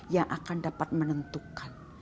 yang akan dapat menentukan